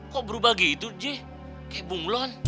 kok berubah gitu ji kayak bunglon